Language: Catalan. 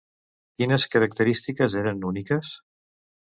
Quines característiques eren úniques?